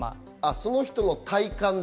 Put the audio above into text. その人の体感で。